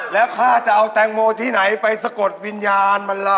แล้วข้าจะเอาแตงโมที่ไหนไปสะกดวิญญาณมันล่ะ